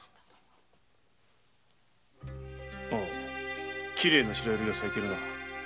おうきれいな白百合が咲いているな。